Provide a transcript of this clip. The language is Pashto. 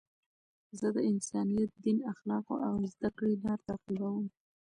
زه د انسانیت، دین، اخلاقو او زدهکړي لار تعقیبوم.